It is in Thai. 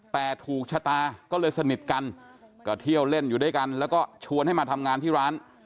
แต่ถูกชะตาก็เลยสนิทกันก็เที่ยวเล่นอยู่ด้วยกันแล้วก็ชวนให้มาทำงานที่ร้าน